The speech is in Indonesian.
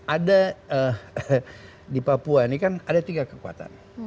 ada di papua ini kan ada tiga kekuatan